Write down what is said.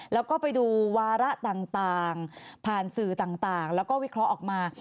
แล้วก็ไปดูวาระต่างผ่านสื่อต่างแล้วก็วิเคราะห์ออกมา